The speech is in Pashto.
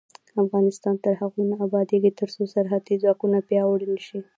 افغانستان تر هغو نه ابادیږي، ترڅو سرحدي ځواکونه پیاوړي نشي.